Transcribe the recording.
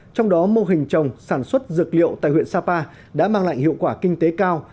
trong đó mô hình trồng sản xuất dược liệu tại huyện sapa đã mang lại hiệu quả kinh tế cao